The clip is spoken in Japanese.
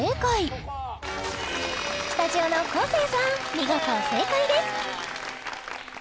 スタジオの昴生さん見事正解です！